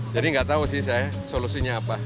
jadi nggak tahu sih saya solusinya apa